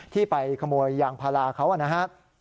ที่ไปขโมยยางพาราเขานะครับ